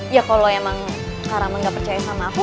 ya kalau emang kak rahman gak percaya sama aku